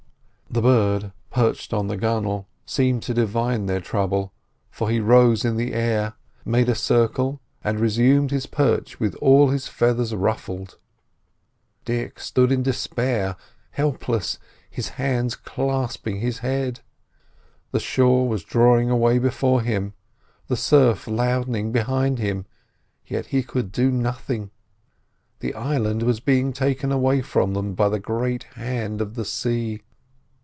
The bird perched on the gunwale seemed to divine their trouble, for he rose in the air, made a circle, and resumed his perch with all his feathers ruffled. Dick stood in despair, helpless, his hands clasping his head. The shore was drawing away before him, the surf loudening behind him, yet he could do nothing. The island was being taken away from them by the great hand of the sea.